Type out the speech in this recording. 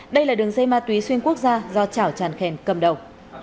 đây là đường dây ma túy xuyên quốc gia do chảo tràn khen cầm đầu